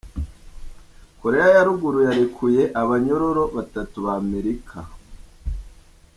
Korea ya Ruguru yarekuye abanyororo batatu ba Amerika.